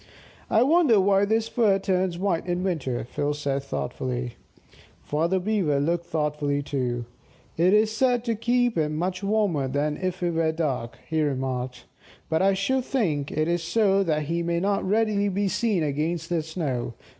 "I wonder why his fur turns white in winter?" Phil said, thoughtfully. Father Beaver looked thoughtful too. "It is said to keep him much warmer than if it were dark," he remarked: "But I should think that it is so that he may not readily be seen against the snow.